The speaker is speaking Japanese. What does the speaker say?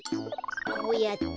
こうやって。